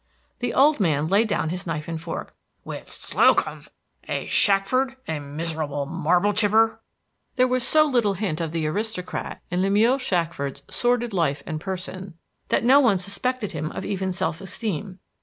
The old man laid down his knife and fork. "With Slocum! A Shackford a miserable marble chipper!" There was so little hint of the aristocrat in Lemuel Shackford's sordid life and person that no one suspected him of even self esteem.